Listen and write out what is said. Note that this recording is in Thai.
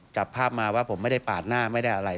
จับภาพมาว่าผมไม่ได้ปาดหน้าไม่ได้อะไร